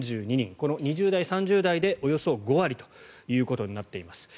この２０代、３０代でおよそ５割ということになっています。